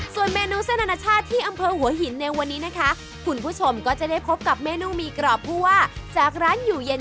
ส่วนเมนูเส้นอนาชาติที่อำเภอหัวหินในวันนี้นะคะคุณผู้ชมก็จะได้พบกับเมนูหมี่กรอบผู้ว่าจากร้านอยู่เย็น